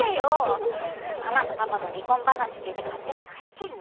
ママとパパの離婚話聞いて勝手に泣いてんの。